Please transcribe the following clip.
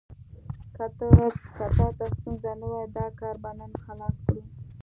که تا ته ستونزه نه وي، دا کار به نن خلاص کړو.